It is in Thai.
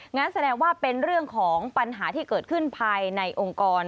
งั้นแสดงว่าเป็นเรื่องของปัญหาที่เกิดขึ้นภายในองค์กร